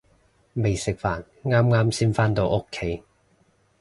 未食飯，啱啱先返到屋企